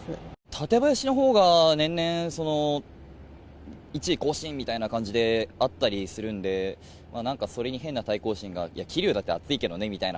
館林のほうが年々１位更新みたいな感じであったりするんで、なんかそれに変な対抗心が、いや、桐生だって暑いけどね、みたいな。